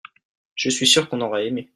je suis sûr qu'on aurait aimé.